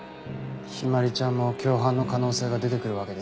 陽葵ちゃんも共犯の可能性が出てくるわけですね。